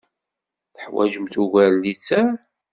Teḥwajemt ugar n littseɛ?